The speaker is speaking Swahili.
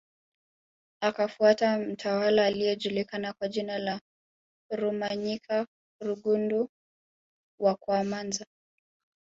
Akafuata mtawala aliyejulikana kwa jina la Rumanyika Rugundu wa kwamza